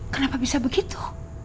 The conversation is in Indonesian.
kenapa bisa begitu